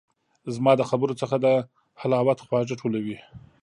زما د خبرو څخه د حلاوت خواږه ټولوي